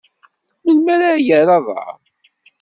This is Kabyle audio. Melmi ara yerr aḍar?